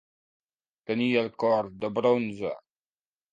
Tenir el cor de bronze.